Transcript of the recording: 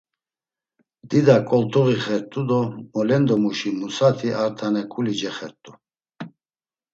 Dida, kotluği xert̆u do molendomuşi Musati ar tane ǩuli cexert̆u.